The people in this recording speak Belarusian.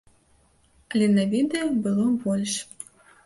Але на відэа было больш.